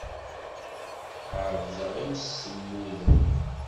Ɛebdeɣ imsemmuden.